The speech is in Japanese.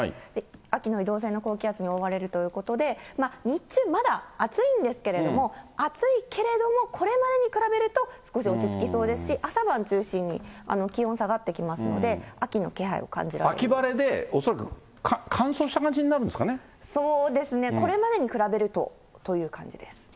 秋の移動性の高気圧に覆われるということで、日中、まだ暑いんですけれども、暑いけれどもこれまでに比べると、少し落ち着きそうですし、朝晩中心に気温下がってきますので、秋の気配を感じられ秋晴れで恐らく乾燥した感じそうですね、これまでに比べるとという感じです。